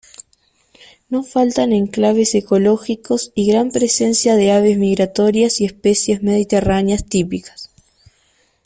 No faltan enclaves ecológicos y gran presencia de aves migratorias y especies mediterráneas típicas.